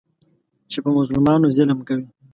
چې په مظلومانو ظلم کوي.